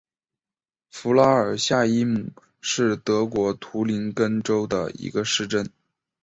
弗拉尔夏伊姆是德国图林根州的一个市镇。